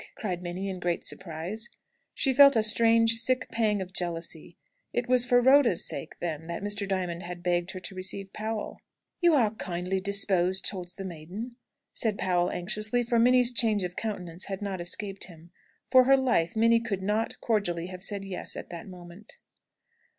cried Minnie, in great surprise. She felt a strange sick pang of jealousy. It was for Rhoda's sake, then, that Mr. Diamond had begged her to receive Powell! "You are kindly disposed towards the maiden?" said Powell, anxiously; for Minnie's change of countenance had not escaped him. For her life, Minnie could not cordially have said "yes" at that moment.